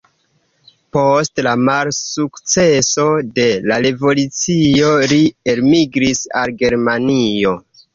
Post la malsukceso de la revolucio li elmigris al Germanio.